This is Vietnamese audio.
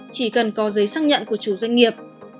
chỉ cần có giấy xác nhận của chủ doanh nghiệp